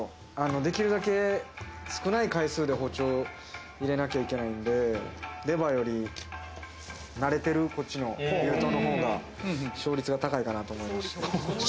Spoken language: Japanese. できるだけ少ない回数で包丁を入れなきゃいけないので、出刃より慣れているこっちの牛刀のほうが勝率が高いと思いまして。